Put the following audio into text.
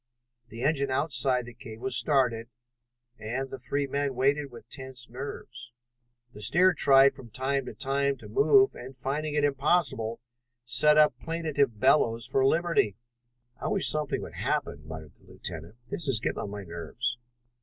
The engine outside the cave was started, and the three men waited with tense nerves. For several hours nothing happened. The steer tried from time to time to move and, finding it impossible, set up plaintive bellows for liberty. "I wish something would happen," muttered the lieutenant. "This is getting on my nerves.